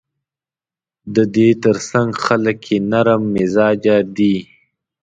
د دې ترڅنګ خلک یې نرم مزاجه دي.